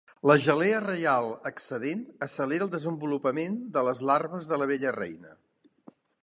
La gelea reial excedent accelera el desenvolupament de les larves de l'abella reina.